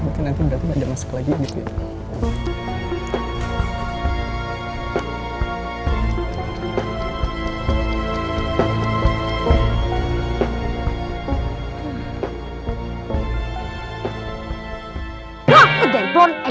mungkin nanti berarti gak ada yang masuk lagi gitu ya